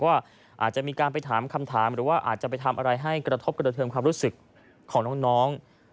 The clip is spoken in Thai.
ว่าอาจจะมีการไปถามคำถามหรือว่าอาจจะไปทำอะไรให้กระทบกระเทิมความรู้สึกของน้อง